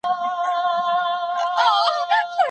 که په خپله بستره کي پرېوځي نو مخ به نه ور اړوي.